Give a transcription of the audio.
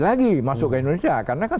lagi masuk ke indonesia karena kan